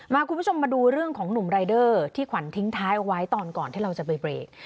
คุณผู้ชมมาดูเรื่องของหนุ่มรายเดอร์ที่ขวัญทิ้งท้ายเอาไว้ตอนก่อนที่เราจะไปเบรก